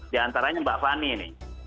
di antaranya mbak fani